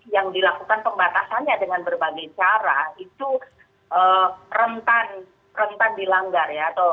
yang dilakukan pembatasannya dengan berbagai cara itu rentan dilanggar ya